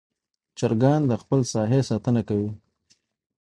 چرګان د خپل ساحې ساتنه کوي.